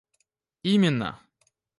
именно